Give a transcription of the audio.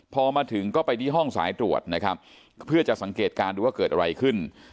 พอมาถึงก็ไปที่ห้องสายตรวจนะครับเพื่อจะสังเกตการณ์ดูว่าเกิดอะไรขึ้น